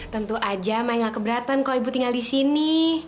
tentu aja mai ga keberatan klo ibu tinggal disini